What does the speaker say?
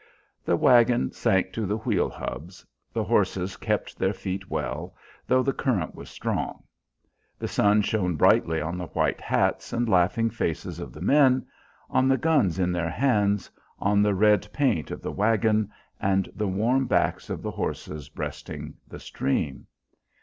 The wagon sank to the wheel hubs; the horses kept their feet well, though the current was strong; the sun shone brightly on the white hats and laughing faces of the men, on the guns in their hands, on the red paint of the wagon and the warm backs of the horses breasting the stream.